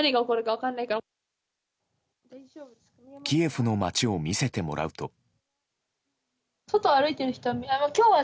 キエフの街を見せてもらうと。